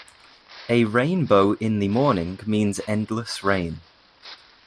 A rainbow in the morning means endless rain.